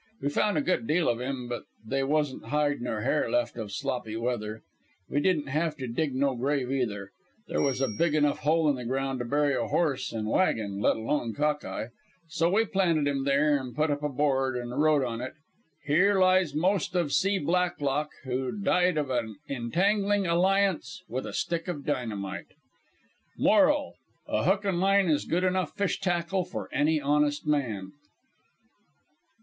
We found a good deal of him, but they wasn't hide nor hair left of Sloppy Weather. We didn't have to dig no grave, either. They was a big enough hole in the ground to bury a horse an' wagon, let alone Cock eye. So we planted him there, an' put up a board, an' wrote on it: Here lies most of C. BLACKLOCK, who died of a' entangling alliance with a stick of dynamite. Moral: A hook and line is good enough fish tackle for any honest man.